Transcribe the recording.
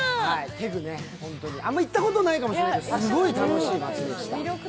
テグね、あんまり行ったことないかもしれないけどすごい魅力的な街でした。